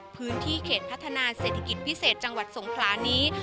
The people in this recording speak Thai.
พื้นที่เขตพัฒนาเศรษฐกิจพิเศษจังหวัดสงครานี้